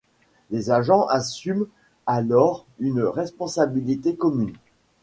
Les agents assument alors une responsabilité commune.